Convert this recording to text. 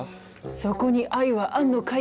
そこに愛はあんのかい？